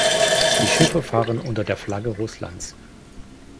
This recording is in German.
Die Schiffe fahren unter der Flagge Russlands.